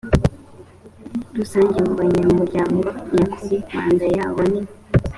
rusange mu banyamuryango nyakuri manda yabo ni